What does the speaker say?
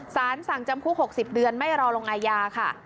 สารสั่งจำคุก๖๐เดือนไม่รอลงอาญาค่ะ